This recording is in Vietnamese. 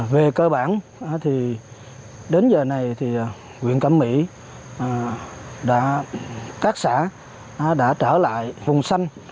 về cơ bản đến giờ này huyện cẩm mỹ các xã đã trở lại vùng xanh